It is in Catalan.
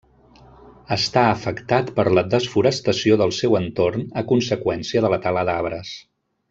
Està afectat per la desforestació del seu entorn a conseqüència de la tala d'arbres.